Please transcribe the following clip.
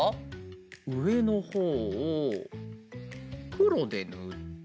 うえのほうをくろでぬって。